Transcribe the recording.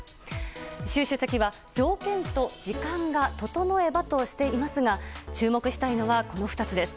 習主席は、条件と時間が整えばとしていますが注目したいのはこの２つです。